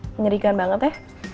menyerigakan banget ya